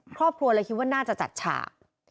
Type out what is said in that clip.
ครอบครัวเลยคิดว่าน่าจะจัดฉาก